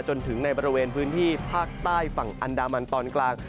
จนถึงในบริเวณพื้นที่ภาคใต้ฝั่งอันดามันตอนกลาง